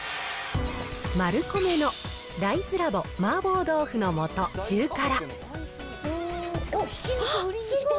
マルコメのダイズラボ麻婆豆腐の素中辛。